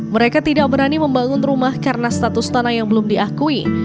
mereka tidak berani membangun rumah karena status tanah yang belum diakui